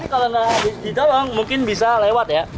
kalau nggak ditolong mungkin bisa lewat ya